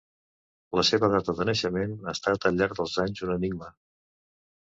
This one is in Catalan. La seva data de naixement ha estat al llarg dels anys un enigma.